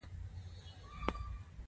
• د کتاب سره ملګرتیا، د ناپوهۍ ضد دی.